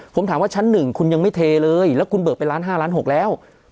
ผมถามว่าชั้น๑คุณยังไม่เทเลยแล้วคุณเบิกไปล้าน๕ล้าน๖แล้ว